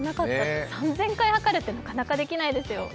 ３０００回測るってなかなかできないですよ。